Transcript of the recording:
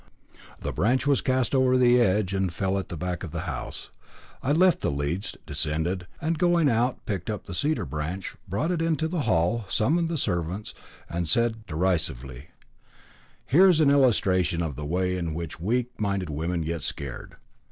The branch was cast over the edge, and fell at the back of the house. I left the leads, descended, and going out picked up the cedar branch, brought it into the hall, summoned the servants, and said derisively: "Here is an illustration of the way in which weak minded women get scared.